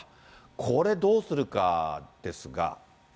これ、どうするかですが。